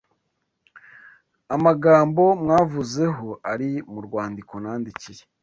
Amagambo mwavuzeho ari mu rwandiko nandikiye